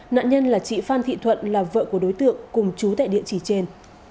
nạn nhân là chị phan thị thuận là vợ của đối tượng cùng chú tại địa chỉ trên